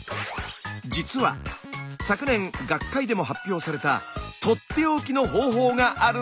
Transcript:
実は昨年学会でも発表されたとっておきの方法があるんです！